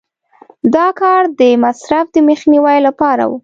دا کار د مصرف د مخنیوي لپاره و.